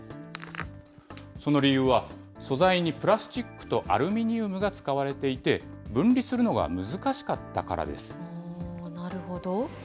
その理由は、素材にプラスチックとアルミニウムが使われていて、なるほど。